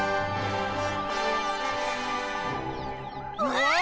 わあ！